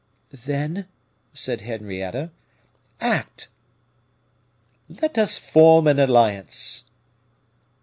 "Then," said Henrietta, "act!" "Let us form an alliance."